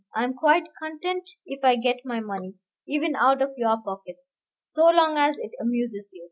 I am quite content if I get my money, even out of your pockets, so long as it amuses you.